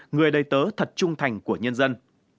người đầy tớ thật trung thành của nhân dân